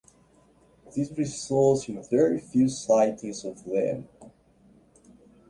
This results in very few sightings of them.